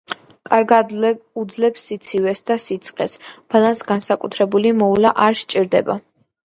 კარგად უძლებს სიცივეს და სიცხეს, ბალანს განსაკუთრებული მოვლა არ სჭირდება.